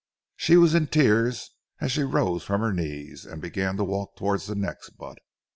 She was in tears as she rose from her knees, and began to walk towards the next butt.